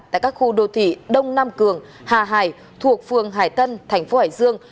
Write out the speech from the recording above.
tại các khu đô thị đông nam cường hà hải thuộc phường hải tân thành phố hải dương